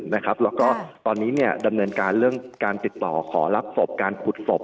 แล้วก็ตอนนี้ดำเนินการเรื่องการติดต่อขอรับศพการขุดศพ